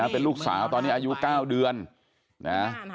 เป็นลูกสาวตอนนี้อายุ๙เดือนนะ